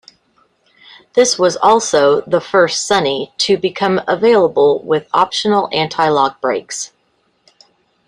This was also the first Sunny to become available with optional anti-lock brakes.